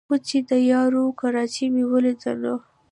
خو چې د یارو کراچۍ مې ولېده نو